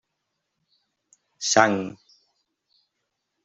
Sang.